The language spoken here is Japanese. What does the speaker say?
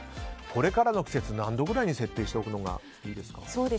これからの季節何度ぐらいに設定しておくのがいいですか？